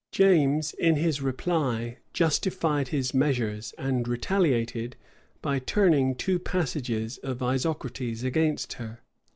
James, in his reply, justified his measures; and retaliated, by turning two passages of Isocrates against her.